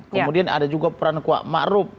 kemudian ada juga peran kuat makrup